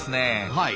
はい。